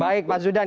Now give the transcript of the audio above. baik pak zudan